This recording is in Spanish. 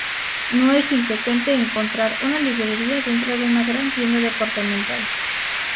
No es infrecuente encontrar una librería dentro de una gran tienda departamental.